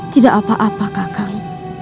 tidak apa apa kakang